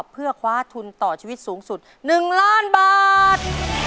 เพื่อคว้าทุนต่อชีวิตสูงสุด๑ล้านบาท